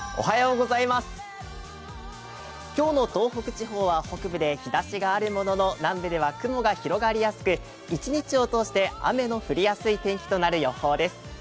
今日の東北地方は北部で日ざしがあるもの、南部では雲が広がり易く、一日を通して雨の降りやすい天気となる予報です。